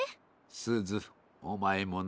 すずおまえもな。